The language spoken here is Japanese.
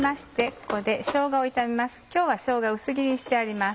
今日はしょうが薄切りにしてあります。